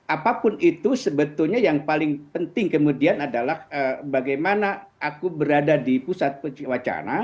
apapun itu sebetulnya yang paling penting kemudian adalah bagaimana aku berada di pusat wacana